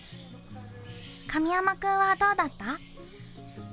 神山君はどうだった？